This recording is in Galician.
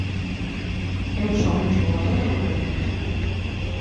Eu son un xogador aburrido.